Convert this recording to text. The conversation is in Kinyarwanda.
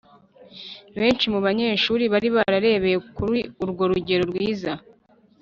benshi mu banyeshuri bari bararebeye kuri urwo rugero rwiza